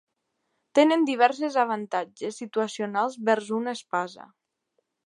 Tenen diverses avantatges situacionals vers una espasa.